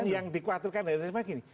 yang dikuatirkan dari burisma gini